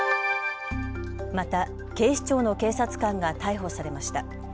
また警視庁の警察官が逮捕されました。